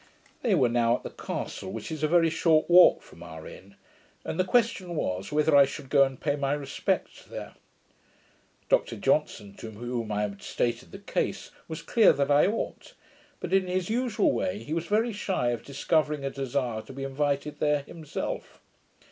They were now at the castle, which is a very short walk from our inn; and the question was, whether I should go and pay my respects there. Dr Johnson, to whom I had stated the case, was clear that I ought; but, in his usual way, he was very shy of discovering a desire to be invited there himself.